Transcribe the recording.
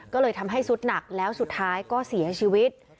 ก็เลยทำให้สุดหนักแล้วสุดท้ายก็เสียชีวิต